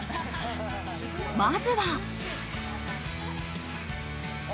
まずは。